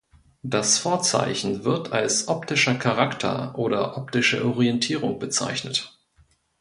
Das Vorzeichen wird als "optischer Charakter" oder "optische Orientierung" bezeichnet.